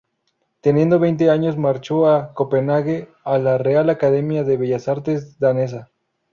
Teniendo veinte años marchó a Copenhague a la Real Academia de Bellas Artes Danesa.